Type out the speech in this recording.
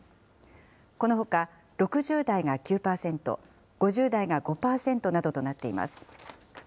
このほか６０代が９％、５０代が５％などとなっています。